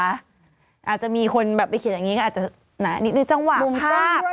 อาจจะมีคนไปเขียนแบบนี้อาจจะนี่จังหวะภาพ